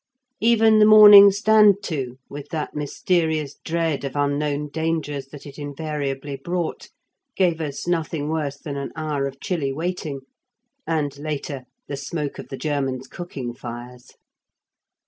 Even the morning "Stand to" with that mysterious dread of unknown dangers that it invariably brought gave us nothing worse than an hour of chilly waiting and later, the smoke of the Germans' cooking fires.